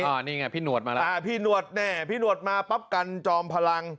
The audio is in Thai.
อันนี้ไงพี่หนวดมาแล้วอ่าพี่หนวดแน่พี่หนวดมาปั๊บกันจอมพลัง